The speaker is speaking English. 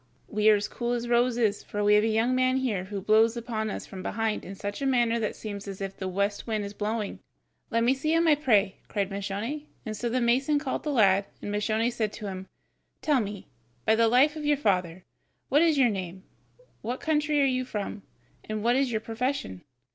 we are as cool as roses, for we have a young man here who blows upon us from behind in such a manner that it seems as if the west wind were blowing." "Let me see him, I pray," cried Moscione, and so the mason called the lad, and Moscione said to him: "Tell me, by the life of your father, what is your name, what country are you from, and what is your profession?"